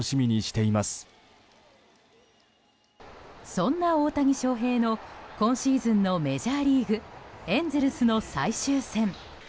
そんな大谷翔平の今シーズンのメジャーリーグエンゼルスの最終戦。